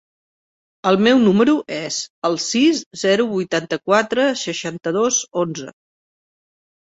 El meu número es el sis, zero, vuitanta-quatre, seixanta-dos, onze.